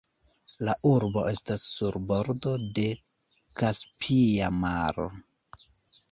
La urbo estas sur bordo de Kaspia Maro.